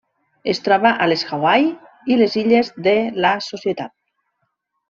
Es troba a les Hawaii i les Illes de la Societat.